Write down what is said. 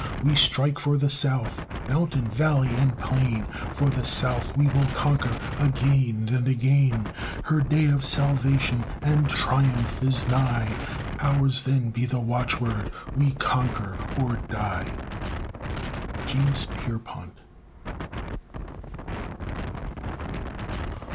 We strike for the South Mountain, Valley, and Plain, For the South we will conquer again and again; Her day of salvation and triumph is nigh, Ours, then, be the watchword, "We conquer or die." JAMES PIERPONT.